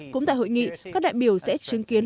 cũng tại hội nghị các đại biểu sẽ chứng kiến